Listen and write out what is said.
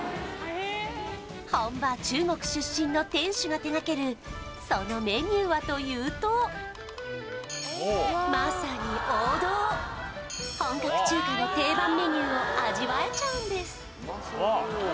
本場中国出身の店主が手がけるそのメニューはというとまさに王道本格中華の定番メニューを味わえちゃうんです